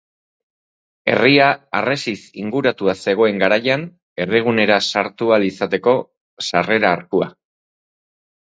Herria harresiz inguratua zegoen garaian herrigunera sartu ahal izateko sarrera-arkua.